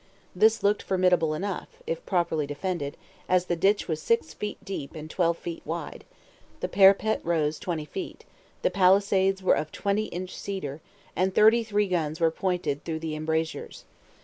This looked formidable enough, if properly defended, as the ditch was six feet deep and twelve feet wide, the parapet rose twenty feet, the palisades were of twenty inch cedar, and thirty three guns were pointed through the embrasures.